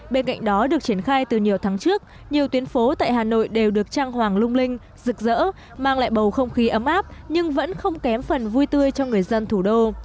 bên cạnh đó được triển khai từ nhiều tháng trước nhiều tuyến phố tại hà nội đều được trang hoàng lung linh rực rỡ mang lại bầu không khí ấm áp nhưng vẫn không kém phần vui tươi cho người dân thủ đô